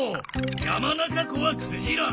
山中湖はクジラ。